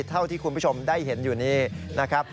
เท่าที่คุณผู้ชมได้เห็นอยู่นี้นะครับ